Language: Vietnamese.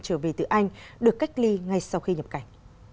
trở về từ anh được cách ly ngay sau khi nhập cảnh